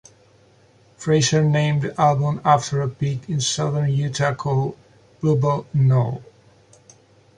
Fraser named the album after a peak in southern Utah called Bluebell Knoll.